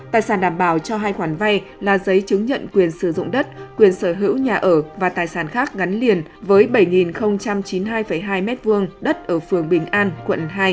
tài sản đảm bảo cho hai khoản vay là giấy chứng nhận quyền sử dụng đất quyền sở hữu nhà ở và tài sản khác gắn liền với bảy chín mươi hai hai m hai đất ở phường bình an quận hai